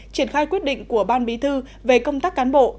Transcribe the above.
triển khai quyết định của ban bí thư về công tác cán bộ